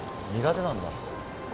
苦手なんだ。